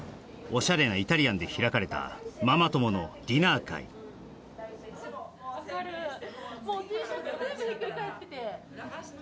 おしゃれなイタリアンで開かれたママ友のディナー会分かる